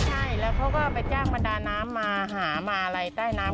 ใช่แล้วเขาก็ไปจ้างบรรดาน้ำมาหามาลัยใต้น้ำ